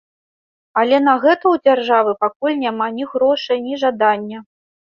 Але на гэта ў дзяржавы пакуль няма ні грошай, ні жадання.